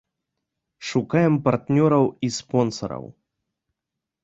Шукаем партнёраў і спонсараў.